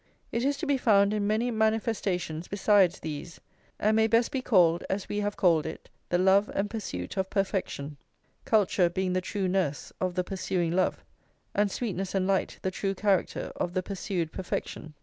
It is to be found in many manifestations besides these, and may best be called, as we have called it, the love and pursuit of perfection; culture being the true nurse of the pursuing love, and sweetness and light the true character of the pursued perfection.